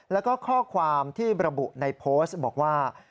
แล้วก็ข้อความที่ระบุในโพสต์บอกว่า